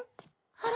あら？